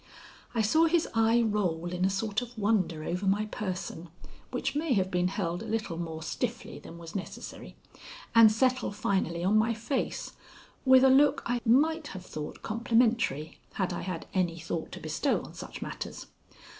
I saw his eye roll in a sort of wonder over my person, which may have been held a little more stiffly than was necessary, and settle finally on my face, with a look I might have thought complimentary had I had any thought to bestow on such matters.